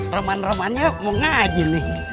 reman remannya mau ngaji nih